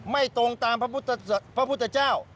ไม่ตรงตามพระพุทธเจ้า